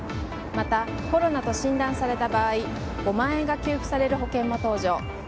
また、コロナと診断された場合５万円が給付される保険も登場。